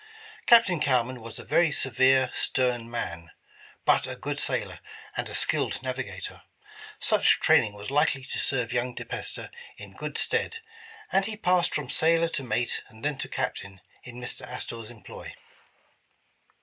Captain Cowman was a very severe, stern man, but a good sailor, and a skilled navigator. Such training was likely to serve young DePeyster in good stead, and he passed from sailor to mate, and then to Captain, in Mr. Astor 's employ.